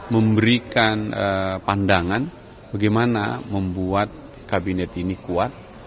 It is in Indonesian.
memberikan pandangan bagaimana membuat kabinet ini kuat